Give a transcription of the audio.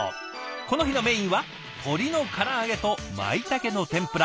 この日のメインは鶏のから揚げとマイタケの天ぷら。